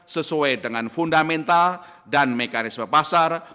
sesuai dengan fundamental dan mekanisme pasar